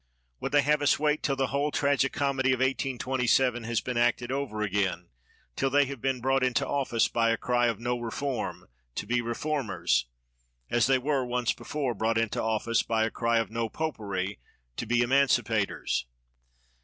Would they have us wait till the whole tragicomedy of 1827 has been acted over again; till they have been brought into office by a cry of "No Reform," to be reformers, as they were once before brought into office by a cry of "No Popery," to be emancipators